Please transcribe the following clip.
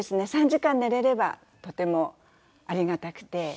３時間寝れればとてもありがたくて。